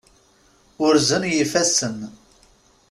Urzen yifassen.